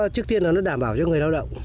trước tiên là nó đảm bảo cho người lao động